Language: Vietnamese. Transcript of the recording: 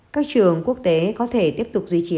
các trường quốc tế có thể tiếp tục duy trì